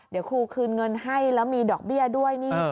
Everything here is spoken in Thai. เดี๋ยวครูคืนเงินให้แล้วมีดอกเบี้ยด้วยนี่